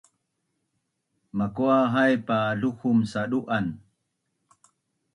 Makua haip pa luhum sadu’an?